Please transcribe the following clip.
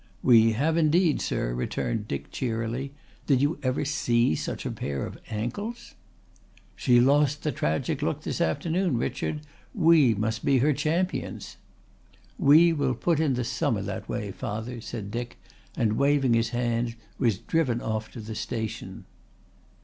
"We have indeed, sir," returned Dick cheerily. "Did you ever see such a pair of ankles?" "She lost the tragic look this afternoon, Richard. We must be her champions." "We will put in the summer that way, father," said Dick, and waving his hand was driven off to the station.